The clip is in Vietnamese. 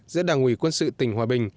giữa đảng ủy quân sự tỉnh hòa bình